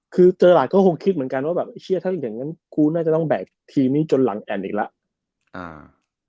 คือเจอราดก็คงคิดเหมือนกันว่าเขาคงได้ต้องแบกทีมนี้จนหลังแอ่นอีกแล้ว